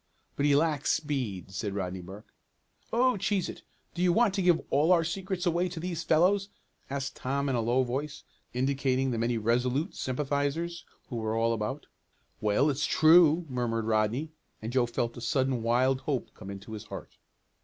"But he lacks speed," said Rodney Burke. "Oh, cheese it! Do you want to give all our secrets away to these fellows?" asked Tom in a low voice, indicating the many Resolute sympathizers who were all about. "Well, it's true," murmured Rodney, and Joe felt a sudden wild hope come into his heart.